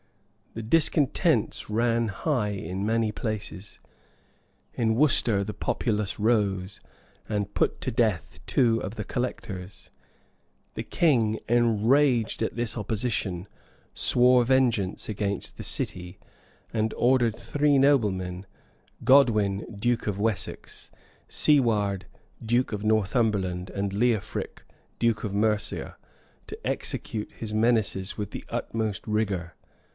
The discontents ran high in many places: in Worcester the populace rose, and put to death two of the collectors. The king, enraged at this opposition, swore vengeance against the city, and ordered three noblemen, Godwin, duke of Wessex, Siward, duke of Northumberland, and Leofric, duke of Mercia, to execute his menaces with the utmost rigor.